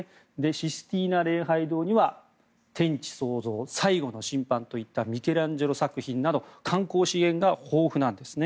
システィーナ礼拝堂には「天地創造」、「最後の審判」といったミケランジェロ作品など観光資源が豊富なんですね。